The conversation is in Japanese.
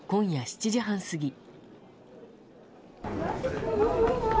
今夜７時半過ぎ。